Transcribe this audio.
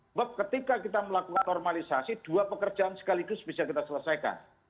sebab ketika kita melakukan normalisasi dua pekerjaan sekaligus bisa kita selesaikan